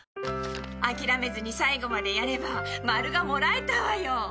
諦めずに最後までやればマルがもらえたわよ。